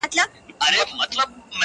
• بیا به هم لمبه د شمعي له سر خېژي,